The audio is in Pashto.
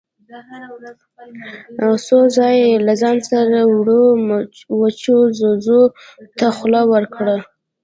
څو ځايه يې له ځان سره وړو وچو ځوځو ته خوله ورکړه.